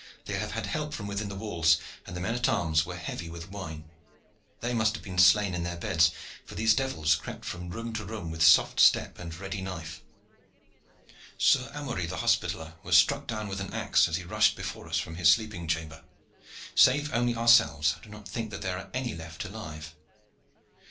They have had help from within the walls, and the men at arms were heavy with wine: they must have been slain in their beds, for these devils crept from room to room with soft step and ready knife. Sir Amory the Hospitaller was struck down with an axe as he rushed before us from his sleeping chamber. Save only ourselves, I do not think that there are any left alive."